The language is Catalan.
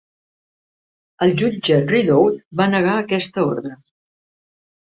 El jutge Rideout va negar aquesta ordre.